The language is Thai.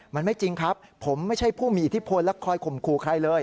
มันไม่จริงครับผมไม่ใช่ผู้มีอิทธิพลและคอยข่มขู่ใครเลย